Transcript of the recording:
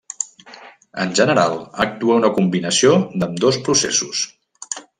En general actua una combinació d'ambdós processos.